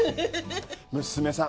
娘さん